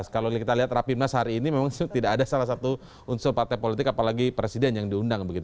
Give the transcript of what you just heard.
kalau kita lihat rapimnas hari ini memang tidak ada salah satu unsur partai politik apalagi presiden yang diundang begitu